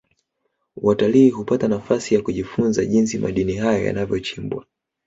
watalii hupata nafasi ya kujifunza jinsi madini hayo yanavyochimbwa